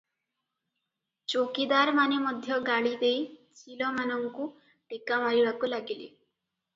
ଚୌକିଦାରମାନେ ମଧ୍ୟ ଗାଳିଦେଇ ଚିଲମାନଙ୍କୁ ଟେକାମାରିବାକୁ ଲାଗିଲେ ।